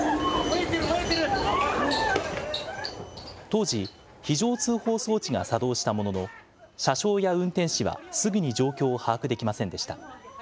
当時、非常通報装置が作動したものの、車掌や運転士はすぐに状況を把握できませんでした。